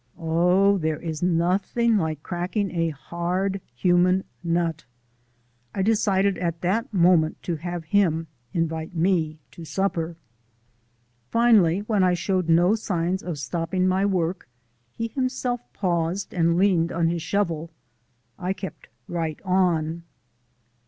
Oh, there is nothing like cracking a hard human nut! I decided at that moment, to have him invite me to supper. Finally, when I showed no signs of stopping my work, he himself paused and leaned on his shovel. I kept right on.